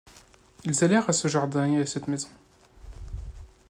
Ils allèrent à ce jardin et à cette maison.